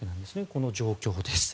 この状況です。